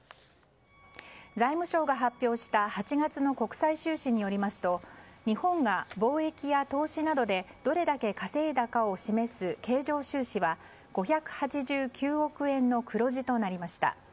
財務省が発表した８月の国際収支によりますと日本が貿易や投資などでどれだけ稼いだかを示す経常収支は５８９億円の黒字となりました。